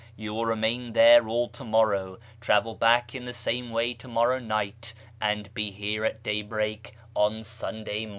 You will remain there all to morrow, travel back in the same way to morrow night, and be here at daybreak on Sunday morning."